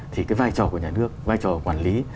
thì cái vai trò của nhà nước vai trò quản lý